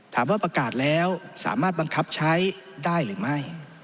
ประกาศแล้วสามารถบังคับใช้ได้หรือไม่